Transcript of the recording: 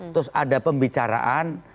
terus ada pembicaraan